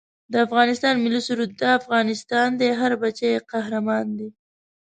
د افغانستان ملي سرود دا افغانستان دی هر بچه یې قهرمان دی